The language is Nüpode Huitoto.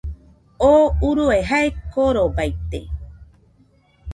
Tú urue jae korobaite